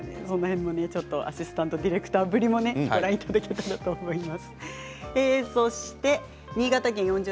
アシスタントディレクターぶりもご覧いただければと思います。